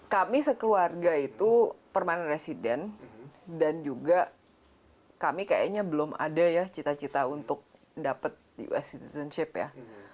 kami sekeluarga itu permanent resident dan juga kami kayaknya belum ada ya cita cita untuk dapat us citizenship ya